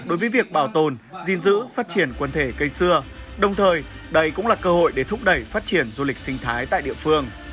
đối với việc bảo tồn gìn giữ phát triển quần thể cây xưa đồng thời đây cũng là cơ hội để thúc đẩy phát triển du lịch sinh thái tại địa phương